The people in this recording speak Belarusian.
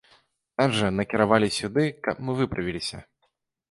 Нас жа накіравалі сюды, каб мы выправіліся.